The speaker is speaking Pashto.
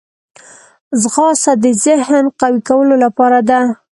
ځغاسته د ذهن قوي کولو لاره ده